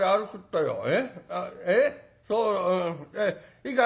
いいか？